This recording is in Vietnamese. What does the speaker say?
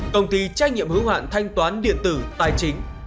công ty trách nhiệm hữu hoạn thanh toán điện tử tài chính